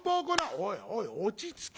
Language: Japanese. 「おいおい落ち着け。